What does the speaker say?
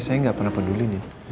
saya nggak pernah peduli nih